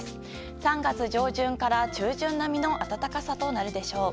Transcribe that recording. ３月上旬から中旬並みの暖かさとなるでしょう。